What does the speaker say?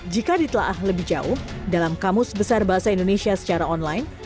jika ditelah lebih jauh dalam kamus besar bahasa indonesia secara online